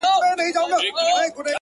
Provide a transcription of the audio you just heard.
• ګل سرخ ته تر مزاره چي رانه سې ,